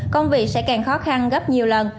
công việc sẽ càng khó khăn gấp nhiều lần